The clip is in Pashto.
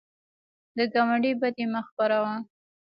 د ګاونډي بدي مه خپروه